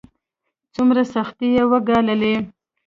څومره سختۍ يې وګاللې.